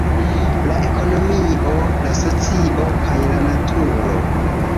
la ekonomio, la socio, kaj la naturo.